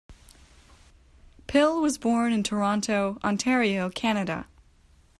Pill was born in Toronto, Ontario, Canada.